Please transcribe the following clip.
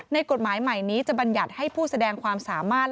กฎหมายใหม่นี้จะบรรยัติให้ผู้แสดงความสามารถ